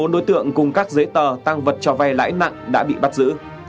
bốn mươi bốn đối tượng cùng các giấy tờ tăng vật cho vay lãi nặng đã bị bắt giữ